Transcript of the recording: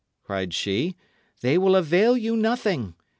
cried she. "They will avail you nothing.